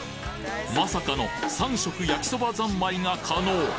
まさかの３食焼きそば三昧が可能！